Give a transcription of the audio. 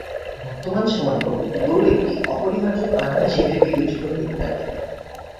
বর্তমান সময়েও গরু একটি অপরিহার্য প্রাণী হিসেবে বিবেচিত হয়ে থাকে।